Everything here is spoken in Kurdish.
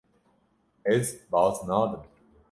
Ez baz nadim.